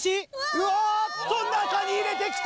うわっと中に入れてきた！